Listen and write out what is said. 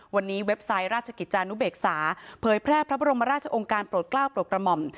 วันนี้เว็บไซต์ราชกิจจานุเบกษาเผยแพร่พระบรมราชองค์การโปรดกล้าวโปรดกระหม่อม